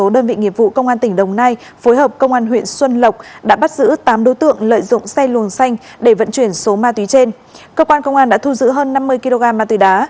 để vận chuyển số ma túy trên cơ quan công an đã thu giữ hơn năm mươi kg ma túy đá